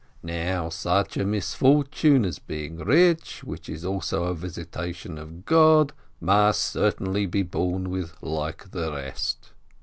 'Now, such a misfortune as being rich, which is also a visitation of God, must certainly be borne with like the rest.